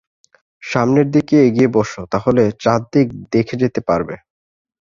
সামনের দিকে এগিয়ে বসো, তাহলে চাদ্দিক দেখে যেতে পারবে।